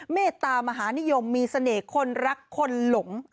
เมตตามหานิยมมีเสน่ห์คนรักคนหลง